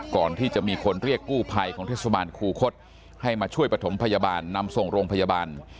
ก่อนที่จะมีคนเรียกกู้ภัยของเทศบาลคูคศให้มาช่วยประถมพยาบาลนำส่งโรงพยาบาล